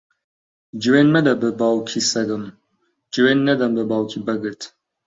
جوێن مەدە بە باوکی سەگم، جوێن نەدەم بە باوکی بەگت.